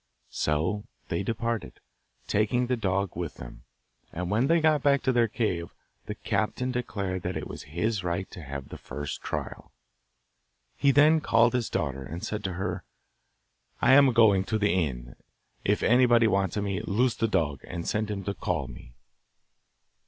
So they departed, taking the dog with them, and when they got back to their cave the captain declared that it was his right to have the first trial. He then called his daughter, and said to her, 'I am going to the inn; if anybody wants me, loose the dog, and send him to call me.